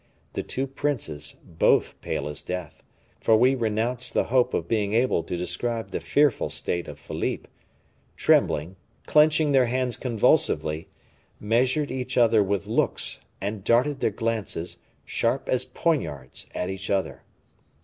The two princes, both pale as death for we renounce the hope of being able to describe the fearful state of Philippe trembling, clenching their hands convulsively, measured each other with looks, and darted their glances, sharp as poniards, at each other.